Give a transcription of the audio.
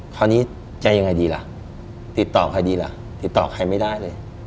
คราวนี้จะยังไงดีล่ะติดต่อใครดีล่ะติดต่อใครไม่ได้เลย